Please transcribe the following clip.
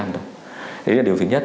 đấy là điều thứ nhất